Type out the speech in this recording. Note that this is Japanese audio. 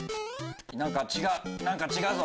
何か違う何か違うぞ。